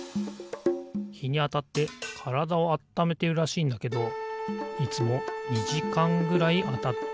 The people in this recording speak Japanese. ひにあたってからだをあっためてるらしいんだけどいつも２じかんぐらいあたってんだよなあ。